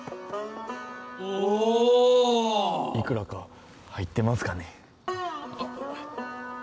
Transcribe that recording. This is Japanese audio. おおおおいくらか入ってますかね？